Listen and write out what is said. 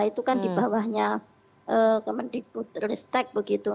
itu kan di bawahnya kemendibutristek begitu